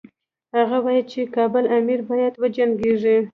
هغه وايي چې کابل امیر باید وجنګیږي.